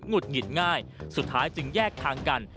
ุดหงิดง่ายสุดท้ายจึงแยกทางกัน